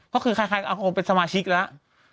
ก็คือใครคงเป็นสมาชิกแล้ว